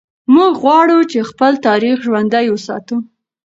موږ غواړو چې خپل تاریخ ژوندی وساتو.